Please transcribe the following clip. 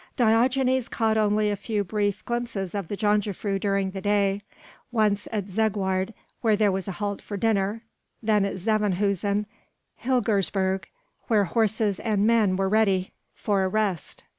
Diogenes caught only a few brief glimpses of the jongejuffrouw during the day; once at Zegwaard where there was a halt for dinner, then at Zevenhuisen and Hillegersberg where horses and men were ready for a rest.